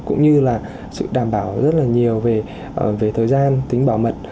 cũng như là sự đảm bảo rất là nhiều về thời gian tính bảo mật